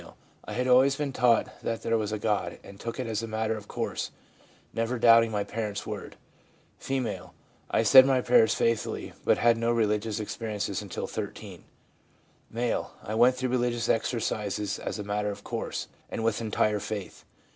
I had always been taught that there was a God, and took it as a matter of course, never doubting my parents' word/ F. ' I said my prayers faithfully, but had no real religious experience until 13/ M. 'I went through religious exercises as a matter of course, and with entire faith/ M.